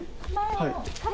はい。